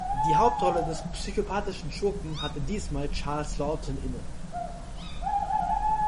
Die Hauptrolle des psychopathischen Schurken hatte diesmal Charles Laughton inne.